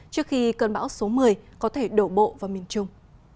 trước khi cơn bão số một mươi có thể đổ bộ vào miền trung